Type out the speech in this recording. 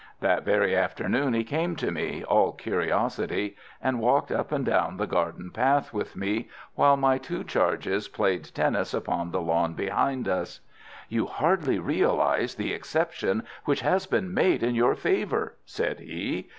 That very afternoon he came to me, all curiosity, and walked up and down the garden path with me, while my two charges played tennis upon the lawn beside us. "You hardly realize the exception which has been made in your favour," said he.